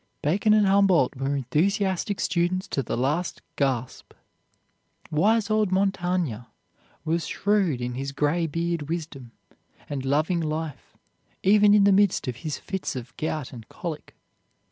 Bacon and Humboldt were enthusiastic students to the last gasp. Wise old Montaigne was shrewd in his gray beard wisdom and loving life, even in the midst of his fits of gout and colic.